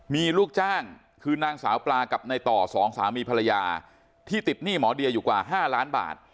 มีลูกจ้างคือนางสาวปลากับในต่อสองสามีภรรยาที่ติดหนี้หมอเดียอยู่กว่า๕ล้านบาท